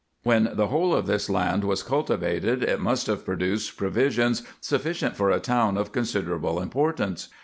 When the whole of this land was cultivated, it must have produced provisions sufficient for a town of considerable importance.